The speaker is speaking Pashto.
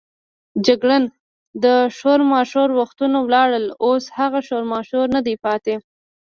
جګړن: د شورماشور وختونه ولاړل، اوس هغه شورماشور نه دی پاتې.